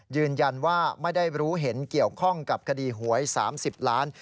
ยืนยันว่าไม่ได้รู้เห็นเกี่ยวข้องกับคดีหวย๓๐ล้าน